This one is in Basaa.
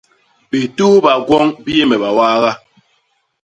Bituhba gwoñ bi yé me bawaaga.